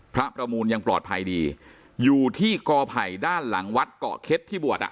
ประมูลยังปลอดภัยดีอยู่ที่กอไผ่ด้านหลังวัดเกาะเข็ดที่บวชอ่ะ